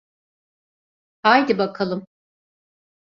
Haydi bakalum.